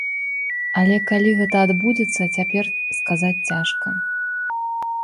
Але калі гэта адбудзецца, цяпер сказаць цяжка.